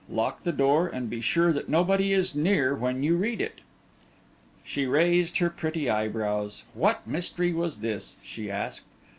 Lock the door and be sure that nobody is near when you read it." She raised her pretty eyebrows. What mystery was this? she asked.